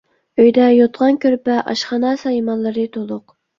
ئۆيدە يوتقان-كۆرپە، ئاشخانا سايمانلىرى تولۇق.